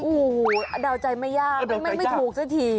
โอ้โหเดาใจไม่ยากไม่ถูกสักที